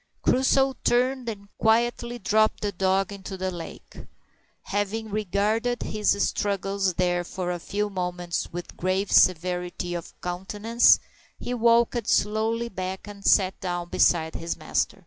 Crusoe turned and quietly dropped the dog into the lake. Having regarded his struggles there for a few moments with grave severity of countenance, he walked slowly back and sat down beside his master.